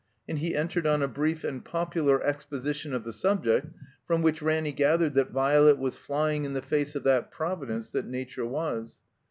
And he entered on a brief and popular ex position of the subject, from which Ranny gathered that Violet was flying in the face of that Providence that Nature was.